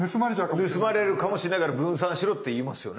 盗まれるかもしれないから分散しろって言いますよね。